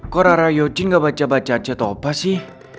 kok rara yucin gak baca baca cetopa sih